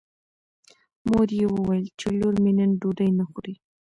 مور یې وویل چې لور مې نن ډوډۍ نه خوري.